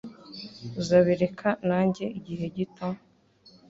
Uzabireka nanjye igihe gito?